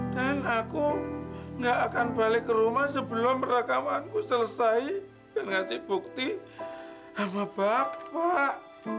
dan aku nggak akan balik ke rumah sebelum rekamanku selesai dan ngasih bukti sama bapak